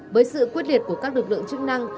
với sự quyết liệt của các lực lượng chức năng